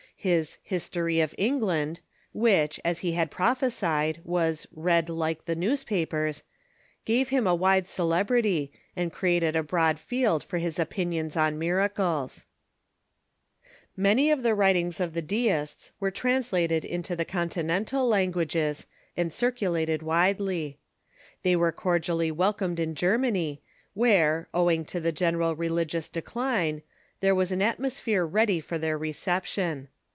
His " History of England," which, as he had prophesied, was "read like the newspapers," gave him a wide celebrity, and created a broad field for his opinions on miracles. ENGLISH DEISM 309 Many of the writings of the Deists were translated into tlic Continental languages, and circulated widely. They were cordially welcomed in Germany, where, owing to ''1'^"!.°" ,® the general religious decline, there was an atmos phere ready for their reception.